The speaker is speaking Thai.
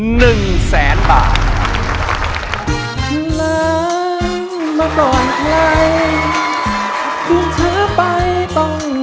หนึ่งแสนบาท